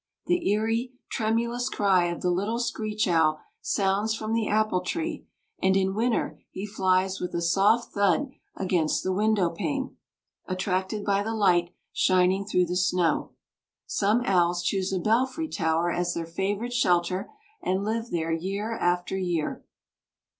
The eerie, tremulous cry of the little screech owl sounds from the apple tree, and in winter he flies with a soft thud against the window pane, attracted by the light shining through the snow. Some owls choose a belfry tower as their favorite shelter, and live there year after year.